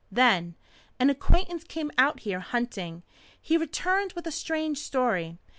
Then an acquaintance came out here hunting. He returned with a strange story.